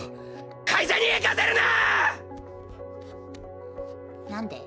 会社に行かせるな！！何で？